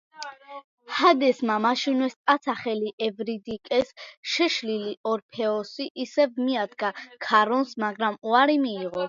ჰადესმა მაშინვე სტაცა ხელი ევრიდიკეს, შეშლილი ორფეოსი ისევ მიადგა ქარონს მაგრამ უარი მიიღო.